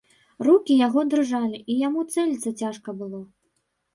Рукі яго дрыжалі, і яму цэліцца цяжка было.